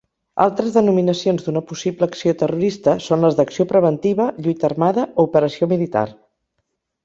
Altres denominacions d'una possible acció terrorista són les d'acció preventiva, lluita armada o operació militar.